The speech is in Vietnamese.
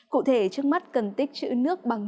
cụ thể trước mắt cần tích chữ nước bằng